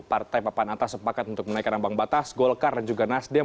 partai papan atas sepakat untuk menaikkan ambang batas golkar dan juga nasdem